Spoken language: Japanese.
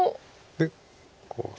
でこう。